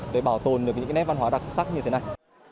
để bảo tồn được những nét văn hóa đặc sắc như thế này